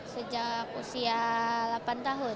sejak usia delapan tahun